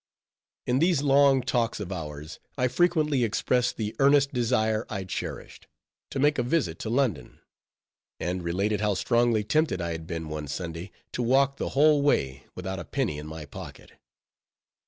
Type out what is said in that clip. In these long talks of ours, I frequently expressed the earnest desire I cherished, to make a visit to London; and related how strongly tempted I had been one Sunday, to walk the whole way, without a penny in my pocket.